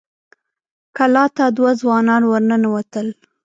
کلا ته دوه ځوانان ور ننوتل.